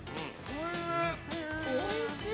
おいしい。